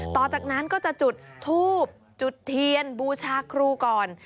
ต่อจากนั้นก็จะจุดทูบจุดเทียนบูชาครูก่อน